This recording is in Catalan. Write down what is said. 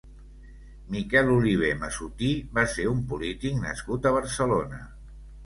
Miquel Oliver Massutí va ser un polític nascut a Barcelona.